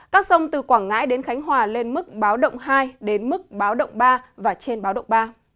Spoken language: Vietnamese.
các sông từ quảng ngãi đến khánh hòa lên mức báo động hai đến mức báo động ba và trên báo động ba